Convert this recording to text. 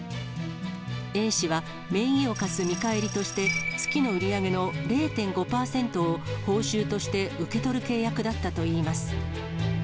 Ａ氏は、名義を貸す見返りとして、月の売り上げの０．５％を、報酬として受け取る契約だったといいます。